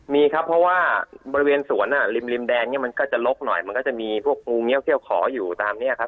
มีครับเพราะว่าบริเวณสวนริมริมแดงเนี่ยมันก็จะลกหน่อยมันก็จะมีพวกงูเงี้ยเขี้ยวขออยู่ตามนี้ครับ